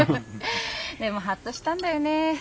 でもハッとしたんだよね。